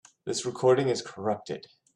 This recording is corrupted.